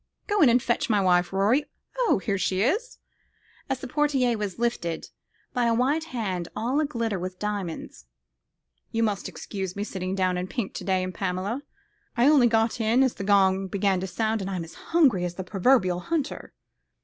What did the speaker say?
Go in and fetch my wife, Rorie. Oh, here she is" as the portière was lifted by a white hand, all a glitter with diamonds "you must excuse me sitting down in pink to day, Pamela; I only got in as the gong began to sound, and I'm as hungry as the proverbial hunter."